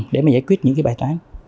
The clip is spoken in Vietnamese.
để giải quyết những bài toán